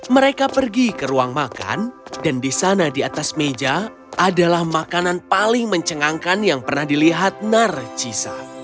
mereka pergi ke ruang makan dan di sana di atas meja adalah makanan paling mencengangkan yang pernah dilihat narcisa